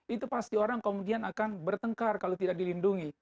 itu pasti orang kemudian akan bertengkar kalau tidak dilindungi